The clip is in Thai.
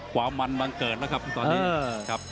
ความมันบังเกิดนะครับตอนนี้